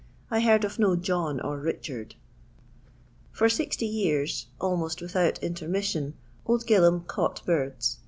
I heard of no John or Kichard. For 60 years, almost without intermission, Ohl Gilham caught birds.